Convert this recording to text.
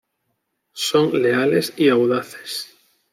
Son leales y audaces.